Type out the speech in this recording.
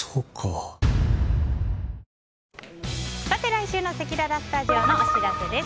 来週のせきららスタジオのお知らせです。